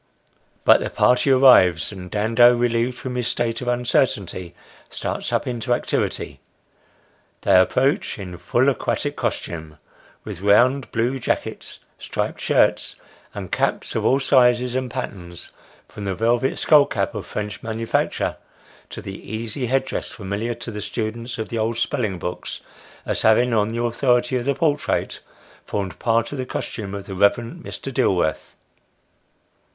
But the party arrives, and Dando, relieved from his state of uncer^ tainty, starts up into activity. They approach in full aquatic coslume, Amateur Watermen. 73 with round blue jackets, striped shirts, and caps of all sizes and patterns, from the velvet skull cap of French manufacture, to the easy head dress familiar to the students of the old spelling books, as having, on the authority of the portrait, formed part of the costume of the Reverend Mr. Dil worth.